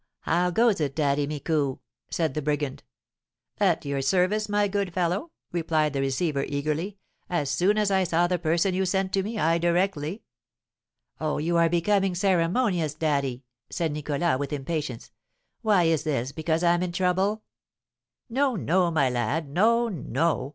how goes it, Daddy Micou?" said the brigand. "At your service, my good fellow," replied the receiver, eagerly. "As soon as I saw the person you sent to me, I directly " "Oh, you are becoming ceremonious, daddy!" said Nicholas, with impatience. "Why is this, because I'm in trouble?" "No, no, my lad, no, no!"